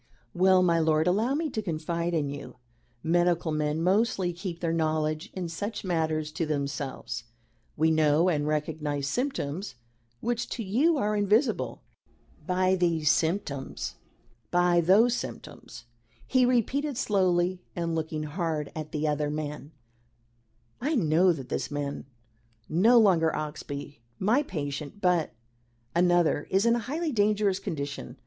"Well, my lord, allow me to confide in you. Medical men mostly keep their knowledge in such matters to themselves. We know and recognise symptoms which to you are invisible. By these symptoms by those symptoms," he repeated slowly and looking hard at the other man, "I know that this man no longer Oxbye, my patient, but another is in a highly dangerous condition.